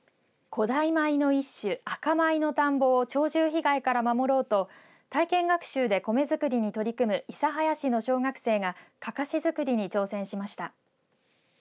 古代米の一種、赤米の田んぼを鳥獣被害から守ろうと体験学習で米作りに取り組む諫早市の小学生がかかし作りに挑戦しました。